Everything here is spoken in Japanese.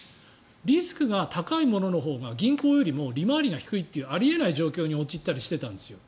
リスクが高いもののほうが銀行よりも利回りが低いというあり得ない状況に陥ったりしていたんですよ。